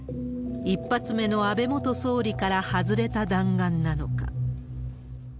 １発目の安倍元総理から外れた弾丸なのか。